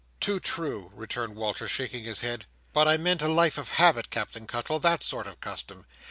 "Too true," returned Walter, shaking his head: "but I meant a life of habit, Captain Cuttle—that sort of custom.